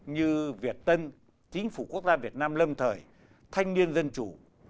như việt tân chính phủ quốc gia việt nam lâm thời thanh niên dân chủ